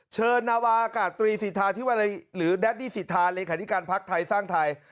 เชิญนาวากาศตรีสิทธาหรือแดดดี้สิทธาริขาดิการภักดิ์ไทยสร้างไทย